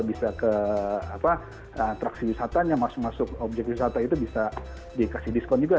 bisa ke atraksi wisatanya masuk masuk objek wisata itu bisa dikasih diskon juga